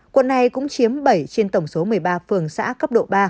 quận này cũng chiếm bảy trên tổng số một mươi ba phường xã cấp độ ba